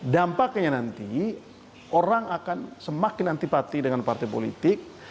dampaknya nanti orang akan semakin antipati dengan partai politik